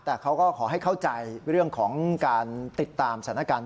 แต่เขาก็ขอให้เข้าใจเรื่องของการติดตามสถานการณ์